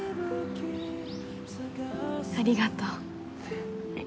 ありがとう